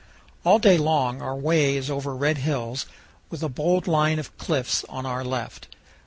All day long our way is over red hills, with a bold line of cliffs on our left.